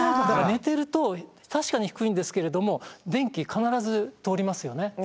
寝てると確かに低いんですけれども電気必ず通りますよね。